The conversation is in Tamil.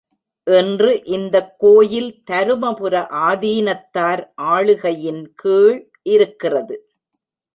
இன்று இந்தக் கோயில் தருமபுர ஆதீனத்தார் ஆளுகையின் கீழ் இருக்கிறது.